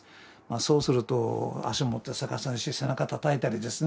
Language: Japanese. そうすると足を持って逆さにして背中たたいたりですね